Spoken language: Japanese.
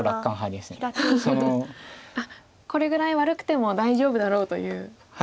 これぐらい悪くても大丈夫だろうという。